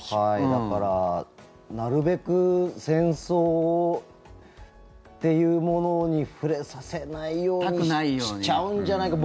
だから、なるべく戦争っていうものに触れさせないようにしちゃうんじゃないか。